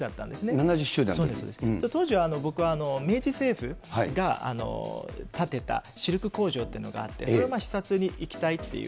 当時は僕は明治政府が建てたシルク工場ってのがあって、それを視察に行きたいっていう。